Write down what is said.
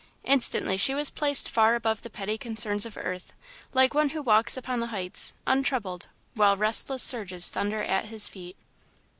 Instantly, she was placed far above the petty concerns of earth, like one who walks upon the heights, untroubled, while restless surges thunder at his feet.